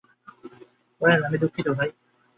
Well, আমি দুঃখিত, ভাই।